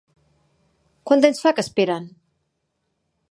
Quant temps fa que esperen?